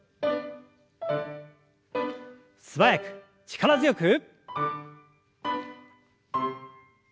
素早く力強く。